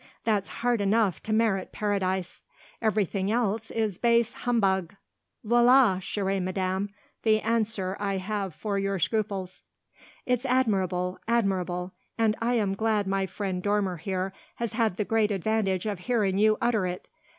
That's hard enough to merit Paradise. Everything else is base humbug! Voilà, chère madame, the answer I have for your scruples!" "It's admirable admirable; and I am glad my friend Dormer here has had the great advantage of hearing you utter it!"